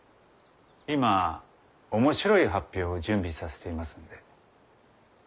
今面白い発表を準備させていますので。